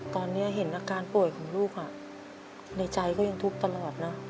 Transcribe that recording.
ตอนนี้เห็นอาการป่วยของลูกในใจก็ยังทุกข์ตลอดนะ